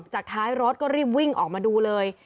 ท้ายรถก็รีบวิ่งออกมาดูเลย